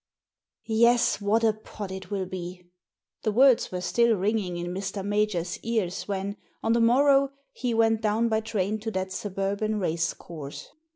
Yes, what a pot it will be !" The words were still ringing in Mr. Major's ears when, on the morrow, he went down by train to that suburban racecourse.